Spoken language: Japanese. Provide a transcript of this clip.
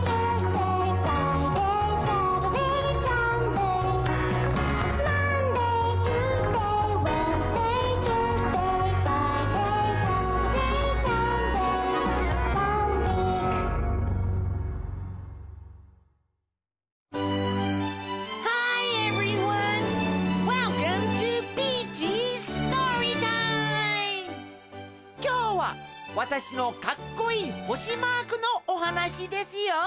’ｓＳｔｏｒｙＴｉｍｅ．きょうはわたしのかっこいいほしマークのおはなしですよ。